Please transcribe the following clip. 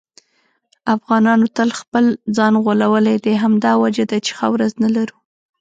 افغانانو تل خپل ځان غولولی دی. همدا وجه ده چې ښه ورځ نه لرو.